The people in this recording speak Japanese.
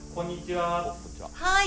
はい。